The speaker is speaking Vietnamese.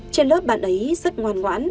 trên lớp bạn ấy rất ngoan ngoãn